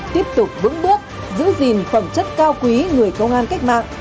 tiếp tục vững bước giữ gìn phẩm chất cao quý người công an cách mạng